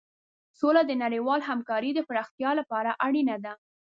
سوله د نړیوالې همکارۍ د پراختیا لپاره اړینه ده.